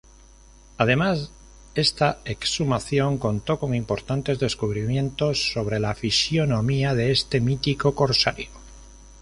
Además, esta exhumación contó con importantes descubrimientos sobre la fisionomía de este mítico corsario.